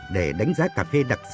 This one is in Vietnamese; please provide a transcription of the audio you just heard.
để đánh giá trị cà phê đặc sản